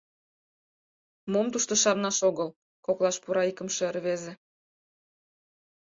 — Мом тушто шарнаш огыл! — коклаш пура икымше рвезе.